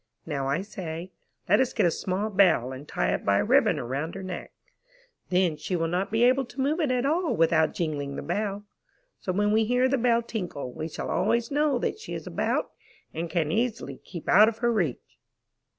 Now I say, let us get a small bell and tie it by a ribbon around her neck. Then she will not be able to move at all with out jingling the bell. So when we hear the bell tinkle, we shall always know that she is about and can easily keep out of her reach.